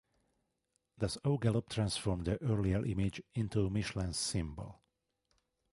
Thus O'Galop transformed the earlier image into Michelin's symbol.